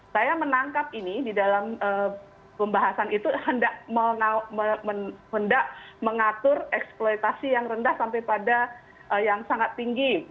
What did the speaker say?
saya menangkap ini di dalam pembahasan itu hendak hendak mengatur eksploitasi yang rendah sampai pada yang sangat tinggi